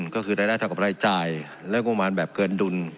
ก็คือรายได้เท่ากับรายจ่ายและงบประมาณแบบเกินดุล